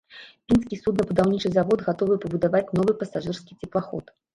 Пінскі суднабудаўнічы завод гатовы пабудаваць новы пасажырскі цеплаход.